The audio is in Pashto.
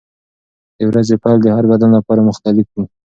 د ورځې پیل د هر بدن لپاره مختلف وي.